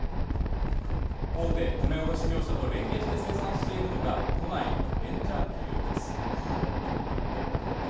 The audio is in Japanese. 大手米卸業者と連携して生産しているのが、都内のベンチャー企業です。